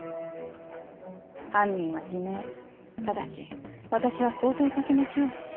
犯人は自明ただし私はこう問い掛けましょう。